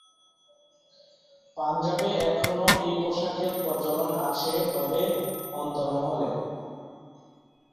পাঞ্জাবে এখনো এই পোশাকের প্রচলন আছে তবে অন্তরমহলে।